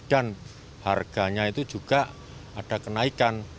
dan harganya itu juga ada kenaikan